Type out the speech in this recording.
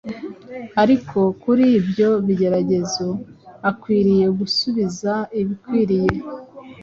ariko kuri ibyo bigeragezo akwiriye gusubiza ibikwiye: